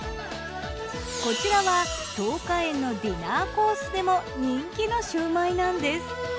こちらは桃花苑のディナーコースでも人気の焼売なんです。